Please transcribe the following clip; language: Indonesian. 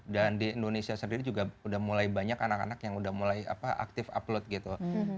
dan di indonesia sendiri juga udah mulai banyak anak anak yang udah mulai aktif upload gitu